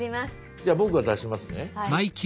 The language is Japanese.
じゃあ僕が出しますね。